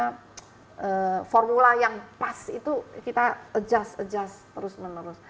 kita harus memiliki formula yang pas itu kita adjust adjust terus menerus